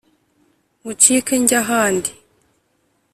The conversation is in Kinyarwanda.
ngucike nge ahandi